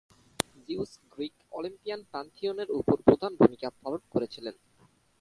Zeus Greek Olympian প্যানথিয়নের উপর প্রধান ভূমিকা পালন করেছিলেন।